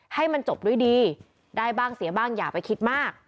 ให้มันจบด้วยดีได้บ้างเสียบ้างอย่าไปคิดมาก